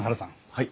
はい。